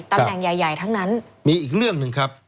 ตำแหน่งใหญ่ใหญ่ทั้งนั้นมีอีกเรื่องหนึ่งครับ